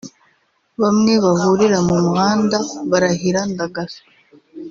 bamwe bahurira mu muhanda birahira « Ndagaswi »